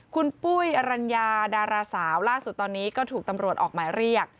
คุณปุ้ยอรัญญาดาราสาวล่าสุดตอนนี้ก็ถูกตำรวจออกหมายเรียก